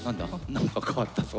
何か変わったぞ？